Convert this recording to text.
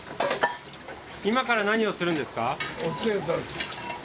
今から何をするんですか？